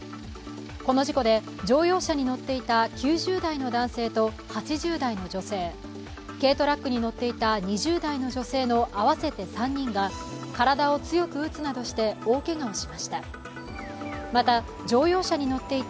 この事故で乗用車に乗っていた９０代の男性と８０代の女性、軽トラックに乗っていた２０代の女性の合わせて３人が体を強く打つなどして大けがをしました。